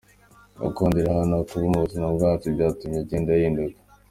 Gukunda iraha no kuba mu buzima bwiza byatumye agenda ahinduka.